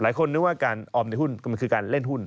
หลายคนนึกว่าการออมในหุ้นมันคือการเล่นหุ้น